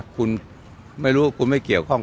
คุณไม่รู้คุณไม่เกี่ยวข้อง